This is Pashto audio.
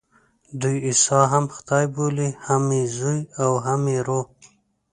دوی عیسی هم خدای بولي، هم یې زوی او هم یې روح.